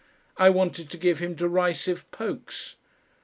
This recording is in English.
I wanted to give him derisive pokes.